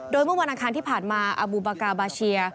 โดยเมื่อวันอังคารที่ผ่านมาอาบูบากาบาเชีย